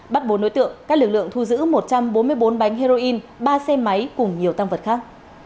bắt bốn đối tượng các lực lượng thu giữ một trăm bốn mươi bốn bánh heroin ba xe máy cùng nhiều tăng vật khác